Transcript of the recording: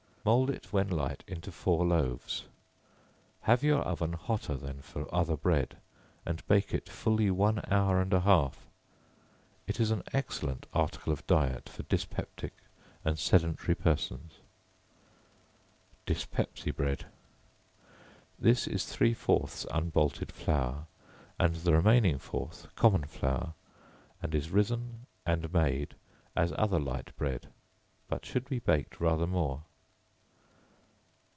Mould it, when light, into four loaves Have your oven hotter than for other bread, and bake it fully one hour and a half. It is an excellent article of diet for dyspeptic and sedentary persons. Dyspepsy Bread. This is three fourths unbolted flour, and the remaining fourth common flour, and is risen and made as other light bread, but should be baked rather more.